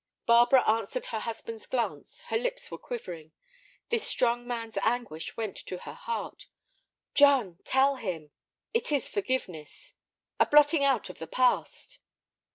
Barbara answered her husband's glance; her lips were quivering. This strong man's anguish went to her heart. "John, tell him—" "It is forgiveness." "A blotting out of the past."